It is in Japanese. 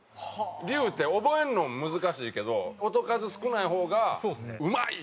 「龍」って覚えるのも難しいけど音数少ない方がうまいっていうのが。